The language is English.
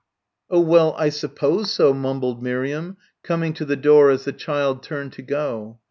"Oh well, I suppose so," mumbled Miriam, coming to the door as the child turned to go.